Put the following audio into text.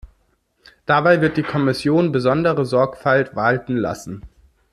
Dabei wird die Kommission besondere Sorgfalt walten lassen.